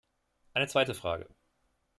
Eine zweite Frage.